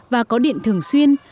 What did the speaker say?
và có điện thường xuyên